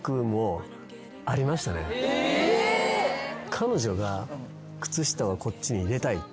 彼女が靴下はこっちに入れたい。